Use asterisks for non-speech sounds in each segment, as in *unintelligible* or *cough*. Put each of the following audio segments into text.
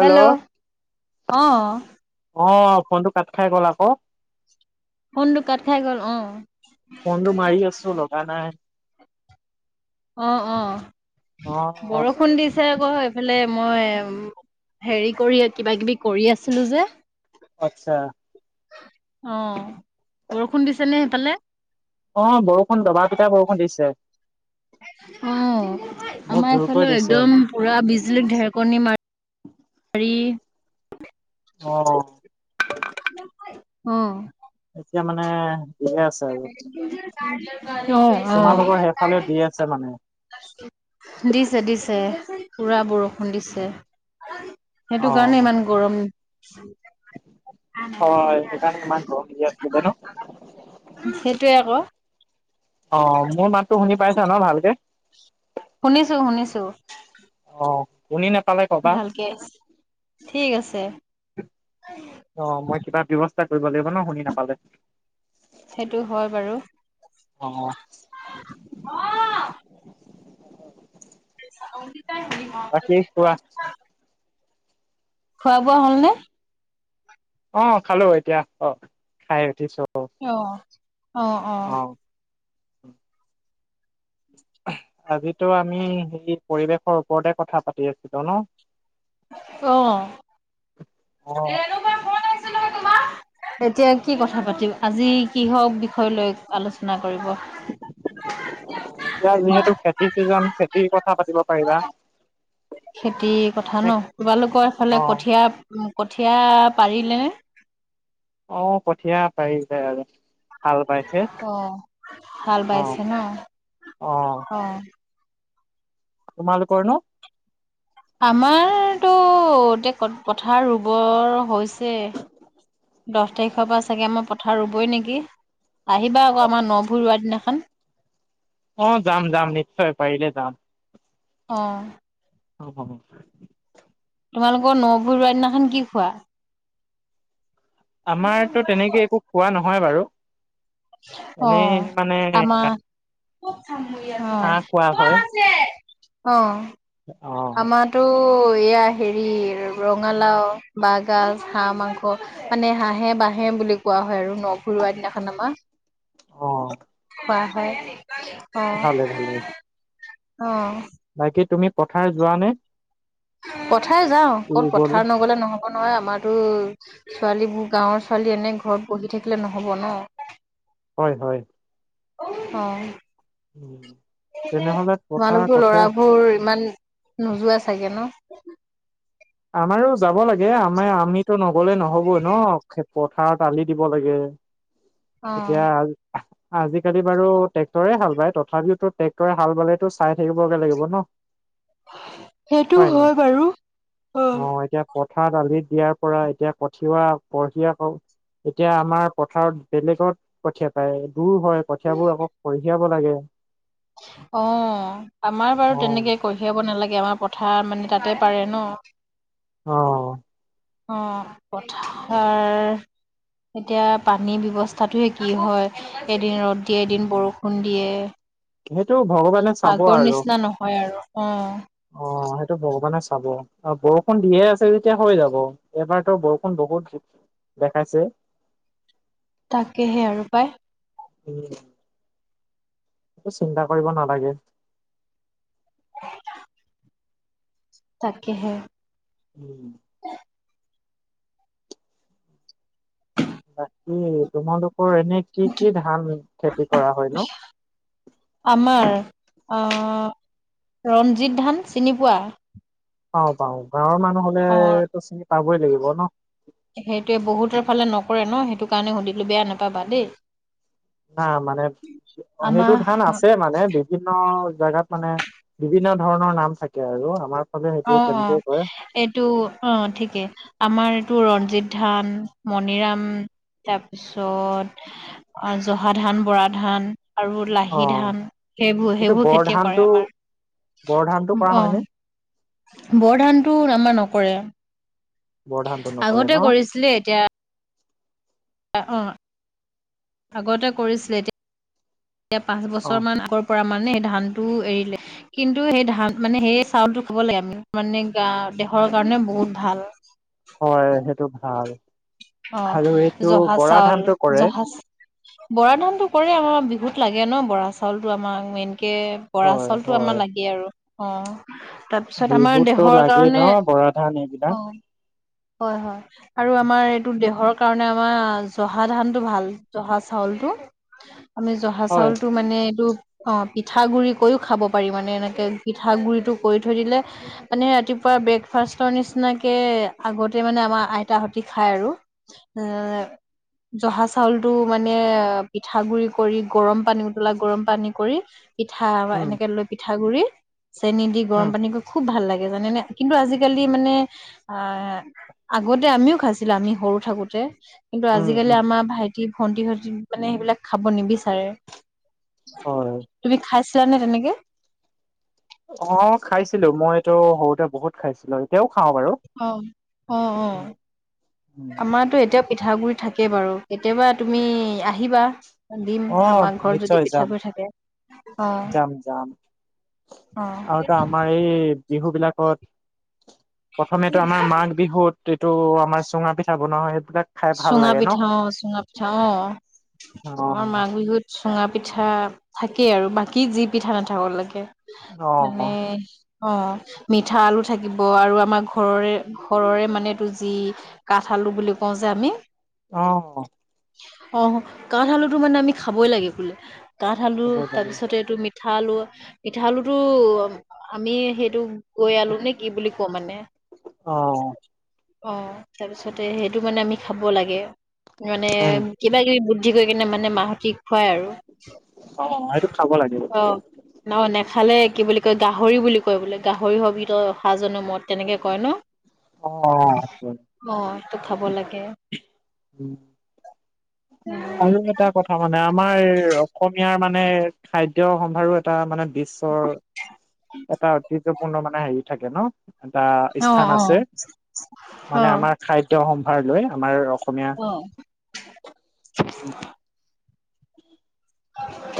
Hello অ। অ'ফনটো cut খাই গ'ল আকৌ। ফোনটো কাট খাই গ'ল অ। ফনটো মাৰি আছো লগা নাই। অ অ'অ'বৰষুণ দিছ ছে আকৌ এইফালে মই হেৰি কৰি কিবা- কিবি কৰি আছিলোঁ যে অ'আচ্ছা। অ' বৰষুণ দিছে নে সেইপেলে? অ' বৰষুণ দবা পিটা বৰষুণ দিছে। বহুত অ'আমাৰ জোৰকৈ এইফালেও দিছে একদম পুৰা বিজলী ঢেৰকণী মা *inaudible* ৰি অ', অ', এতিয়া মানে দিয়ে আছে। আৰু *unintelligible* তোমালোকৰ অ' সেইফালে দি আছে মানে অ'। দিছে, দিছে পুৰা বৰষুণ দিছে। অ এইটো কাৰণে ইমান গৰম হয়, সেইকাৰণে ইমান গৰম দি আছিলে গে ন'? সেইটোৱে আকৌ। অ'মোৰ মাতটো শুনি পাইছা ন' ভালকে? শুনিছো, শুনিছো। অ, শুনি নেপালে ভালকে *unintelligible* ঠিক আছে। অ'মই কিবা ব্যৱস্থা কৰিব লাগিব ন'শুনি নাপালে। সেইটো হয় বাৰু। অ', অ' পিছে অংকীতাই হেৰী বাকী কোৱা *unintelligible* খোৱা-বোৱা হ'ল নে? অ'খালোঁ এতিয়া, অ' খাই উঠিছো। ইয় অ'অ'। অ আজিতো আমি সেই পৰিৱেশৰ ওপৰতে কথা পাতি আছিলোঁ ন? অ' অ', *unintelligible* *inaudible* এতিয়া কি কথা পাতিম? আজি কিহক বিষয় লৈ আলোচনা কৰিব? এতিয়া যিহেতু খেতিৰ চিজন, খেতিৰ কথা পাতিব পাৰিবা। খেতিৰ কথা নে ন'তোমালোকৰ সেইফালে অ', কঠিয়া উম, কঠীয়া পাৰিলে নে? অ'কঠীয়া পাৰিলে এ, যাচ। হাল বাইছে, অ', হাল অ, বাইছে ন অ। অ। তোমালোকৰ নো? আমাৰতো এতিয়া পথাৰ ৰুবৰ হৈছে। দহ তাৰিখৰ পৰা চাগে আমাৰ পথাৰ ৰুবই নেকি। আহিবা আকৌ অ', আমাৰ ন ভুই ৰোৱা দিনাখন। অ, যাম, যাম, নিশ্চয় পাৰিলে যাম। অঁ। আৰু কবব তোমালোকৰ ন ভুই ৰোৱা দিনাখন কি খোৱা? আমাৰতো তেনেকে একো খোৱা নহয় বাৰু। এনেই মানে আমাৰ আ অ, অ। অ ত' এয়া হেৰি, ৰঙালাও, বাঁহগাজ, হাঁহ মাংস। মানে হাঁহে বাঁহে বুলি কোৱা হয় আৰু ন ভুই ৰোৱা দিনাখন আমাৰ। অ খোৱা হয়। অ, ভালে ভালে অ বাকী তুমি পথাৰ যোৱা নে? পথাৰ যাওঁ, ক'ত ৰুবলৈ? পথাৰ নগলে নহ'ব নহয়। আমাৰতো ছোৱালীবোৰ গাঁওৰ ছোৱালী এনে ঘৰত বহি থাকিলে নহ'ব ন। হয়, হয়। অ। উম। তোমালোকো ল'ৰাবোৰ ইমান নোযোৱা চাগে ন? আমাৰো যাব লাগে। আমাৰ আমিতো নগলে নহ'বই ন, পথাৰত আলি দিব লাগে। এতিয়া অ'। আ আজিকালি বাৰু ট্ৰেক্টৰে হাল বায়। তথাপিওটো ট্ৰেক্টৰে হাল বালেতো চাই থাকিব বেয়া লাগিব ন। *inaudible* সেইটো হয় বাৰু। অ, এতিয়া পথাৰত আলি দিয়াৰ পৰা এতিয়া কঠিওৱা কঠীয়া এতিয়া আমাৰ পথাৰত বেলেগত কঠিয়া পাৰে, দূৰ হয় কঠিয়াবোৰ আকৌ কঢ়িয়াব লাগে। অ, আমাৰ অ বাৰু তেনেকে কৈ য়াব নালাগে, আমাৰ পথাৰ মানে তাতে পাৰে ন। অ অ, পথাৰ এতিয়া পানীৰ ব্যৱস্থাটোহে কি হয়, এদিন ৰ'দ দিয়ে, এদিন বৰষুণ দিয়ে। হেইটো ভ আগৰ নিচিনা নহয় আৰু অ' অ' সেইটো ভগৱানে চাব। অ' বৰষুণ দিয়ে আছে যেতিয়া হৈ যাব এবাৰতো বৰষুণ বহুত দেখাইছে। *inaudible* তাকেহে আৰু পায়। উম একো চিন্তা কৰিব নালাগে। *inaudible* তাকেহে উম বাকী তোমালোকৰ এনে কি কি ধান খেতি কৰা হয় নো? আমাৰ ৰঞ্জিত ধান চিনি পোৱা? পাওঁ পাওঁ গাঁৱৰ মানুহ হ'লে অ', ত' চিনি পাবই লাগিব ন'। সেইটোৱে বহুতৰ ফালে নকৰে ন' সেইটো কাৰণে সুধিলোঁ বেয়া নাপাবা দেই। না মানে সেইটো আমাৰ ধান আছে মানে বিভিন্ন জেগাত মানে বিভিন্ন ধৰণৰ নাম থাকে আৰু আমাৰ ফালে সেইটো অ' তেনেকেই কয় এইটো অ' ঠিকে আমাৰ এইটো ৰঞ্জিত ধান মণিৰাম তাৰপিছত জহা ধান, বৰা ধান। আৰু অ লাহি ধান সেইবোৰ এইটো সেইবোৰ বৰ খেতিয়ে ধানটো কৰে বৰ ধানটো আমাৰ। কৰা অ' হয়নে বৰ ধানতো আমাৰ নকৰে বৰ ধানটো নকৰে আগতে ন কৰিছিলে এতিয়া অ' আগতে কৰিছিলে এতিয়া পাঁচ অ বছৰ মান পৰা মানে ধানটো এৰিলে। কিন্তু সেই ধান মানে সেই চাউলটো খাব লাগে আমি মানে গা দেহৰ কাৰণে বহুত ভাল। হয় সেইটো ভাল। অ' আৰু এইটো জহা বৰা চাউল ধানটো কৰে জহা বৰা ধানতো কৰে আমাৰ বিহুত লাগে ন' বৰা চাউলতো আমাক মেইনকে। বৰা হয় চাউলতটো আমাৰ হয় লাগে আৰু অ' তাৰপিছত আমাৰ বিহুতটো দেহৰ লাগেই কাৰণে, ন বৰা ধান এইবিলাক অ', হয় হয়। আৰু আমাৰ এইটো দেহৰ কাৰণে আমাৰ জহা ধানটো ভাল জহা চাউলটো *inaudible* আমি জহা হয়, চাউলতটো মানে এইটো অ' পিঠা গুৰি কৰিও খাব পাৰি মানে এনেকে পিঠা গুৰিটো কৰি থৈ দিলে। মানে ৰাতিপুৱা ব্ৰেকফাষ্টৰ নিচিনাকে আগতে মানে আমাৰ আইতাহতি খায় আৰু এই জহা চাউলতটো মানে পিঠাগুৰি কৰি গৰম পানী উতলা গৰম পানী কৰি পিঠা উম, এনেকে লৈ পিঠা গুৰি চেনি দি উম, গৰম পানী খুব ভাল লাগে জানে নে কিন্তু আজিকালি মানে আগতে আমিও খাইছিলো আমি সৰু থাকোতে কিন্তু উম, আজিকালি উম, আমাৰ ভাইটি ভাইটি ভণ্টিহতে মানে সেইবিলাক খাব নিবিচাৰে। হয়। তুমি খাইছিলানে তেনেকে? অ' খাইছিলো মইটো সৰুতে বহুত খাইছিলো এতিয়াও খাওঁ বাৰু। অ' অ' অ' উম, অ' উম, আমাৰতো এতিয়াও পিঠাগুৰি থাকে বাৰু কেতিয়াবা তুমি আহিবা। দিম অ', আমাৰ ঘৰত নিশ্চয় যদি যাম, পিঠাগুৰি থাকে। অ। যাম যাম অ আৰু আগতে আমাৰ এই বিহু বিলাকত প্ৰথমেতো আমাৰ মাঘ বিহুত এইটো আমাৰ চুঙা পিঠা বনোৱা হয় সেইবিলাক খাই ভাল চুঙা লাগে ন'? পিঠা অ চুঙা পিঠা অ আমাৰ অ', মাঘ বিহুত চুঙা পিঠা থাকেই আৰু বাকী যি পিঠা নাথাকক লাগে মানে অ', অ মিঠা আলু থাকিব আৰু আমাৰ ঘৰৰে ঘৰৰে মানে এইটো যি কাঠ আলু বুলি কওঁ যে আমি অহ অহ কাঠ আলুটো মানে আমি খাবই লাগে বোলে কাঠ আলু খাব লাগে। তাৰপিছতে এইটো মি মিঠা আলু মিঠা আলুটো আমি সেইটো গৈ আলু নে কি বুলি কওঁ মানে অ অহ তাৰপিছতে সেইটো মানে আমি খাব লাগে মানে উম, কিবা কিবি বুদ্ধি কৰি কিনে মানে মাহঁতে খুৱাই আৰু অ', সেইটো খাব লাগিব, অহ অ নেখালে কি বুলি কয় গাহৰি হবি বুলি কয় বোলে গাহৰি হবি তই অহা জনমত তেনেকে কয় ন অ অ হয় অহ সেইটো খাব লাগে উম আৰু এটা কথা মানে আমাৰ অসমীয়াৰ মানে খাদ্য সম্ভাৰো এটা মানে বিশ্বৰ এটা ঐতিহ্যপূৰ্ণ মানে হেৰি থাকে ন এটা অ', স্থান আছে অ', মানে অ', আমাৰ খাদ্য সম্ভাৰ লৈ আমাৰ অসমীয়া অহ উম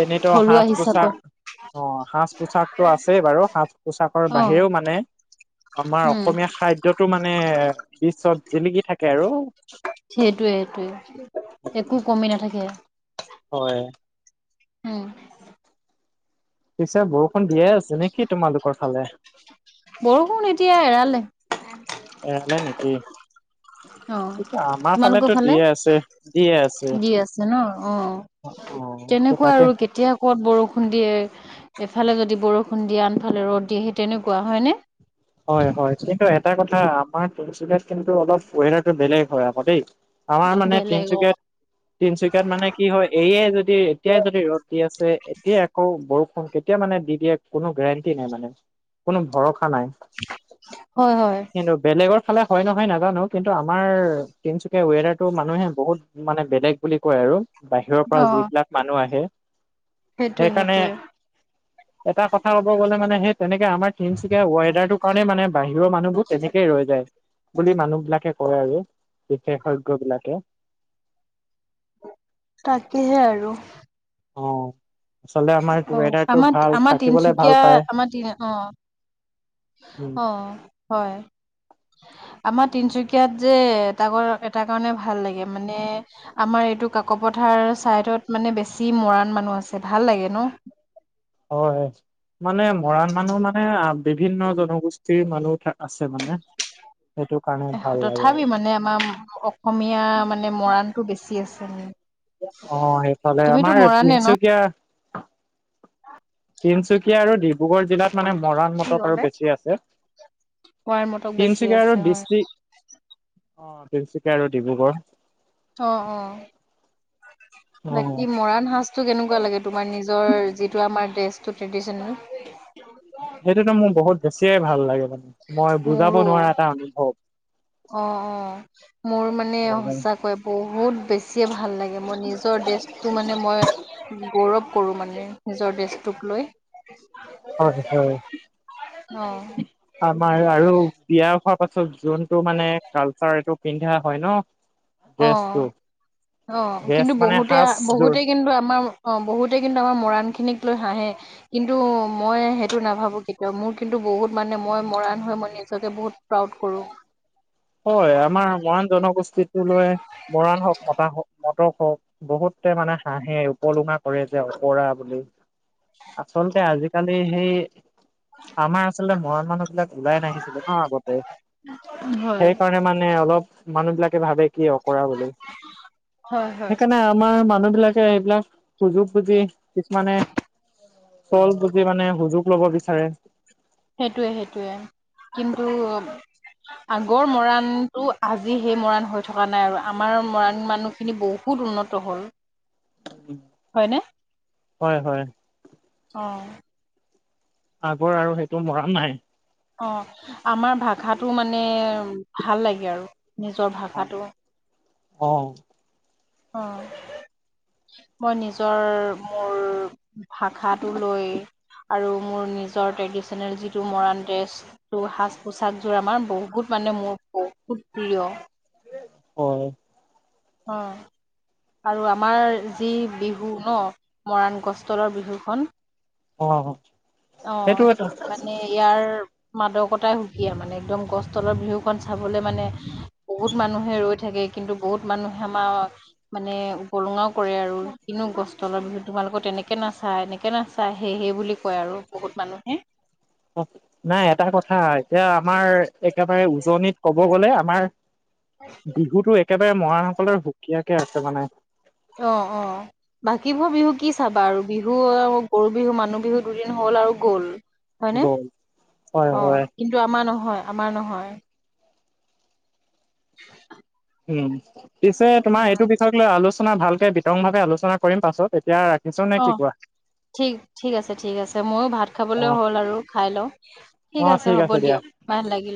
এনেইতো থলুৱা সাজ পোছাক হিচাপত অ সাজ পোছাকতো আছেই বাৰু সাজ পোছাকৰ অ', বাহিৰেও মানে আমাৰ উম, অসমীয়া খাদ্যটো মানে বিশ্বত জিলিকি থাকে আৰু সেইটোৱে সেইটোৱে একো কমি নাথাকে হয় উম পিছে বৰষুণ দিয়ে আছে নেকি তোমালোকৰ ফালে বৰষুণ এতিয়া এৰালে এৰালে নেকি অ আমাৰ তোমালোকৰ ফালেতো ফালে দিয়ে আছে দিয়ে আছে দি আছে ন অ অ তেনেকুৱা তাকে আৰু কেতিয়া ক'ত বৰষুণ দিয়ে এফালে যদি বৰষুণ দিয়ে আনফালে ৰ'দ দিয়ে সেই তেনেকুৱা হয়নে হয় হয় কিন্তু এটা কথা আমাৰ তিনিচুকীয়াত কিন্তু অলপ ওৱেডাৰটো বেলেগ হয় আকৌ দেই আমাৰ মানে বেলেগ অ তিনিচুকীয়াত তিনিচুকীয়াত মানে কি হয় এয়াই যদি এতিয়াই যদি ৰ'দ দি আছে এতিয়াই আকৌ বৰষুণ কেতিয়া মানে দি দিয়ে কোনো গেৰেণ্টি নাই মানে কোনো ভৰসা নাই হয় হয় কিন্তু বেলেগৰ ফালে হয় নহয় নাজানো কিন্তু আমাৰ তিনিচুকীয়াৰ ৱেডাৰটো মানুহে বহুত মানে বেলেগ বুলি কয় আৰু বাহিৰৰ অ পৰা যিবিলাক মানুহ আহে সেইটোৱে সেইকাৰণে সেইটোৱে এটা কথা ক'ব গ'লে মানে সেই তেনেকে আমাৰ তিনিচুকীয়াৰ ৱেডাৰটো কাৰণে মানে বাহিৰৰ মানুহবোৰ তেনেকে ৰৈ যায় বুলি মানুহ বিলাকে কয় আৰু বিশেষজ্ঞ বিলাকে তাকেহে আৰু অহ আচলতে আমাৰ অ ৱেডাৰটো আমাৰ ভাল আমাৰ থাকিবলে ভাল তিনচুকীয়া পায় উম অহ হয় আমাৰ তিনিচুকীয়াত যে এটা কৰ এটা কাৰণে ভাল লাগে মানে আমাৰ এইটো কাকপথাৰ ছাইদত মানে বেছি মৰাণ মানুহ আছে ভাল লাগে ন। হয়, মানে মৰাণ মানুহ মানে বিভিন্ন জনগোষ্ঠীৰ মানুহ তাত আছে মানে। সেইটো কাৰণে। ভাল লাগে তথাপিও মানে আমাৰ অসমীয়া মানে মৰাণটো বেছি আছে। অ, সেইফালে তুমিতো আমাৰ মৰাণে ন তিনচুকীয়া তিনচুকীয়া আৰু ডিব্ৰুগড় জিলাত মানে মৰাণ, কি মটক আৰু ক'লে বেছি আছে। মৰাণ মটক বেছি তিনচুকীয়া আছে আৰু হয় ডিষ্টিক অ, তিনচুকীয়া আৰু ডিব্ৰুগড় অ অ অ বাকী মৰাণ সাজ টো কেনেকুৱা লাগে তোমাৰ নিজৰ যিটো আমাৰ ড্ৰেষ্টটো ট্ৰেডিচনেল? সেইটোটো মোৰ বহুত বেছিয়ে ভাল লাগে মানে মই বুজাব মোৰো নোৱাৰা এটা অনুভৱ। অ অ মোৰ মানে সঁচাকৈ বহুত বেছিয়ে ভাল লাগে মই নিজৰ ড্ৰেষ্টটো মানে মই গৌৰৱ কৰো মানে নিজৰ ড্ৰেষ্টটোক লৈ। হয় হয়। অ আমাৰ আৰু বিয়া হোৱাৰ পাছত যোনটো মানে কালচাৰ এইটো পিন্ধা হয় ন *inaudible* অ অ ড্ৰেছ কিন্তু মানে বহুতে সাজযোৰ বহুতে কিন্তু আমাৰ অ, বহুতে কিন্তু আমাৰ মৰাণখিনিক লৈ হাহে। কিন্তু মই সেইটো নাভাবো কেতিয়াও মোৰ কিন্তু বহুত মানে মই মৰাণ হৈ মই নিজকে বহুত প্ৰাউড কৰো। হয় আমাৰ মৰাণ জনগোষ্ঠীটো লৈ মৰাণ হওঁক মতা হওঁক ম মটক হওঁক বহুতে মানে হাহে উপলুঙা কৰে যে অকৰা বুলি। আচলতে আজিকালি সেই আমাৰ আচলতে মৰাণ মানুহবিলাক ওলাই নাহিছিলে ন আগতে। *unintelligible* সেইকাৰণে মানে অলপ মানুহবিলাকে ভাবে কি অকৰা বুলি। হয় হয় সেইকাৰণে আমাৰ মানুহবিলাক কে এইবিলাক সুযোগ বুজি কিছুমানে চল বুজি মানে সুযোগ ল'ব বিচাৰে। সেইটোৱে সেইটোৱে কিন্তু আগৰ মৰাণটো আজি সেই মৰাণ হৈ থকা নাই আৰু আমাৰ মৰাণ মানুহ খিনি বহুত উন্নত হ'ল। হয়নে? হয় হয়। অ। আগৰ আৰু সেইটো মৰাণ নাই। অ, আমাৰ ভাষাটো মানে ভাল লাগে আৰু নিজৰ ভাষাটো। অ। অ, মই নিজৰ মোৰ ভাষাটো লৈ আৰু মোৰ নিজৰ ট্ৰেডিচনেল যিটো মৰাণ ড্ৰেষ্ট টো সাজ-পোছাকযোৰ আমাৰ বহুত মানে মোৰ বহুত প্ৰিয়। হয়। অ। আৰু আমাৰ যি বিহু ন মৰাণ গছ তলৰ বিহুখন। অ। অ, সেইটো এটা মানে ইয়াৰ মাদকতাই সুকীয়া মানে একদম গছ তলৰ বিহুখন চাবলৈ মানে বহুত মানুহে ৰৈ থাকে কিন্তু বহুত মানুহে আমাৰ মানে উপলঙাও কৰে আৰু, কিনো গছ তলৰ বিহুত তোমালোকৰ তেনেকে নাচা এনেকে না চা সেই সেই বুলি কয় আৰু বহুত মানুহে। নাই এটা কথা এতিয়া আমাৰ একেবাৰে উজনিত ক'ব গ'লে আমাৰ বিহুতো একেবাৰে মৰাণসকলৰ সুকীয়াকে আছে মানে। অ', অ'। বাকীবোৰ বিহু কি চাবা আৰু, বিহু গৰু বিহু, মানুহ বিহু দুদিন হ'ল আৰু গ'ল। হয়নে? গ'ল হয় অ' হয় কিন্তু আমাৰ নহয়, আমাৰ নহয়। উম, পিছে তোমাৰ উম, এইটো বিষয়ক লৈ আলোচনা ভালকে বিতংভাৱে আলোচনা কৰিম পাছত এতিয়া ৰাখিছো নে কি অ' কোৱা ঠিক, ঠিক আছে ঠিক আছে, ময়ো ভাত অ খাবলৈ হ'ল আৰু খাই লওঁ। ঠিক আছে হ'ব দিয়ক, ভাল লাগিল।